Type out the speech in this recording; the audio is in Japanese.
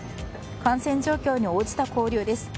感染状況に応じた交流です。